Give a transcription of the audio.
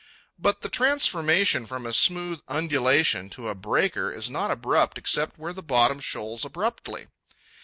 But the transformation from a smooth undulation to a breaker is not abrupt except where the bottom shoals abruptly.